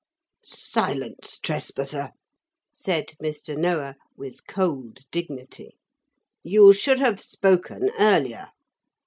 'Silence, trespasser,' said Mr. Noah, with cold dignity. 'You should have spoken earlier.